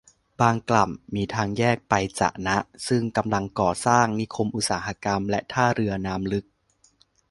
บางกล่ำ มีทางแยกไปจะนะ ซึ่งกำลังก่อสร้างนิคมอุตสาหกรรมและท่าเรือน้ำลึก